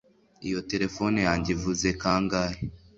Iyo terefone yanjye ivuze kangahe?